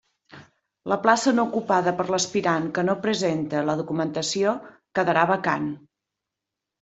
La plaça no ocupada per l'aspirant que no presente la documentació quedarà vacant.